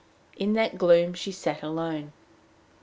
In that gloom she sat alone.